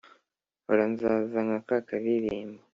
hora nzaza nk'akaririmbo